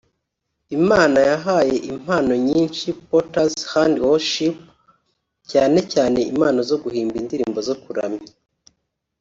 Imana yahaye impano nyinshi Potter's Hand Worship cyane cyane impano zo guhimba indirimbo zo kuramya